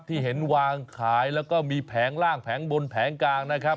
ที่เห็นวางขายแล้วก็มีแผงล่างแผงบนแผงกลางนะครับ